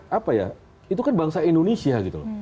sebenarnya itu kan bangsa indonesia